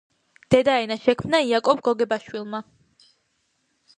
დედაენა შექმნა იაკობ გოგებაშვილმა